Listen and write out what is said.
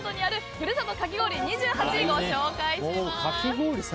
ふるさとかき氷２８ご紹介します。